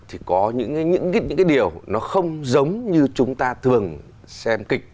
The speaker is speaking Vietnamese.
thì có những cái điều nó không giống như chúng ta thường xem kịch